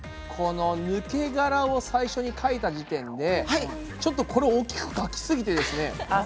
この抜け殻を最初に描いた時点でちょっとこれ大きく描きすぎてですね。